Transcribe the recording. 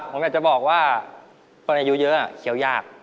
ผมอยากจะบอกว่าคนอายุเยอะเคี้ยวยาก